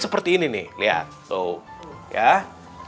seperti ini nih